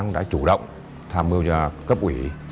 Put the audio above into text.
đã chủ động tham mưu cho cấp ủy